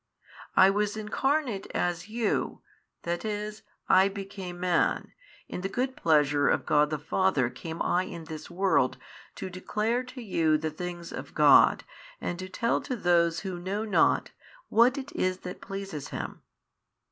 I was Incarnate as you, that is, I became Man, in the Good Pleasure of God the Father came I in this world to declare to you the things of God and to tell to those who know not, what it is that pleases Him.